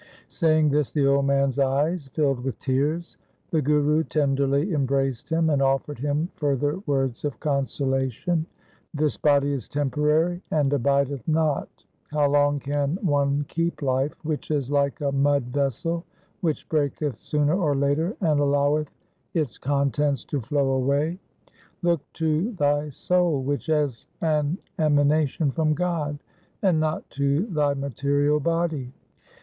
Saying this, the old man's eyes filled with tears. The Guru tenderly embraced him, and offered him further words of consolation —' This body is temporary and abideth not. How long can one keep life, which is like a mud vessel which breaketh sooner or later and alloweth its contents to flow away ? Look to thy soul, which is an emanation from God, and not to thy material body.'